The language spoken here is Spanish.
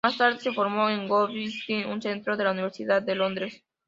Más tarde, se formó en Goldsmiths, un centro de la Universidad de Londres.